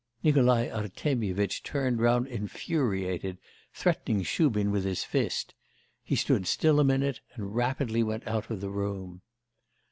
Nikolai Artemyevitch turned round infuriated, threatening Shubin with his fist; he stood still a minute and rapidly went out of the room.